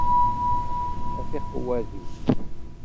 A tiqewwadin!